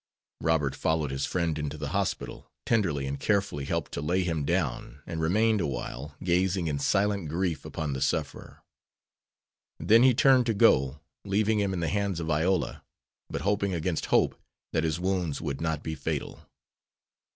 Robert followed his friend into the hospital, tenderly and carefully helped to lay him down, and remained awhile, gazing in silent grief upon the sufferer. Then he turned to go, leaving him in the hands of Iola, but hoping against hope that his wounds would not be fatal.